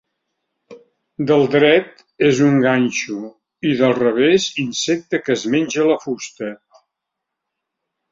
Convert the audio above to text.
Del dret és un ganxo i del revés insecte que es menja la fusta.